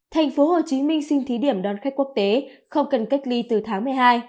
tp hcm xin thí điểm đón khách quốc tế không cần cách ly từ tháng một mươi hai